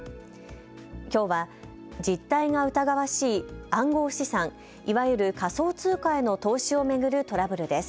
きょうは実態が疑わしい暗号資産、いわゆる仮想通貨への投資を巡るトラブルです。